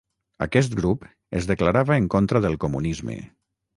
Aquest grup es declarava en contra del comunisme.